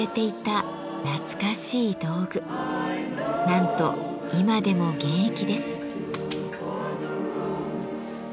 なんと今でも現役です。